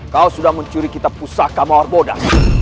kau sudah mencuri kita pusaka mawar boda